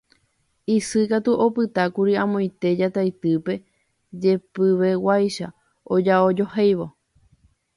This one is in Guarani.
Isy katu opytákuri amoite Jataitýpe jepiveguáicha ojaojohéivo